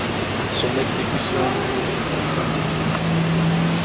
Son exécution dure une vingtaine de minutes.